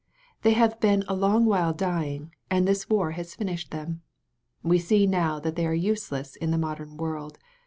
"They have been a long while dying, and this war has fin ished them. We see now that they are useless in the modem world.